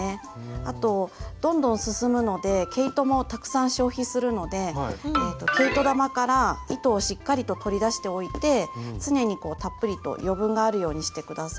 あとどんどん進むので毛糸もたくさん消費するので毛糸玉から糸をしっかりと取り出しておいて常にたっぷりと余分があるようにして下さい。